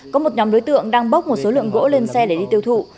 có một nhóm đối tượng đang bốc một số lượng gỗ lên xe để đi tiêu thụ